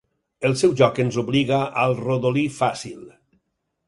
El seu joc ens obliga al rodolí fàcil.